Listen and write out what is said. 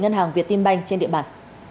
ngân hàng việt tinh banh trên địa bàn